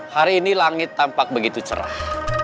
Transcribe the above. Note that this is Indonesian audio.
hari ini langit tampak begitu cerah